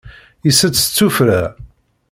Itett s tuffra.